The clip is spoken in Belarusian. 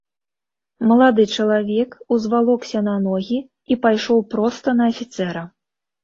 Малады чалавек узвалокся на ногі і пайшоў проста на афіцэра.